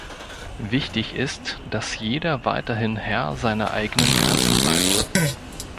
Wichtig ist, dass jeder weiterhin Herr seiner eigenen Grenzen bleibt.